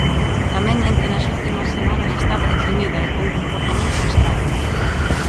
Tamén en que nas últimas semanas estaba deprimida e con comportamentos estraño.